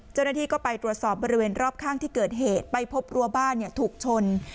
เจ้าหน้าที่ก็ไปตรวจสอบบริเวณรอบข้างที่เกิดเหตุไปพบรัวบ้านถูกชน